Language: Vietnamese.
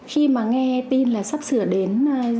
khi mà nghe tin là sắp sửa đến